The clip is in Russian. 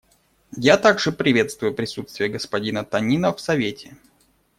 Я также приветствую присутствие господина Танина в Совете.